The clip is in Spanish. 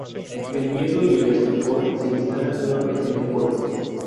El miedo y el estupor se instalan nuevamente en el pueblo.